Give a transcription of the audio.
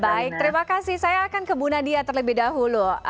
baik terima kasih saya akan ke bu nadia terlebih dahulu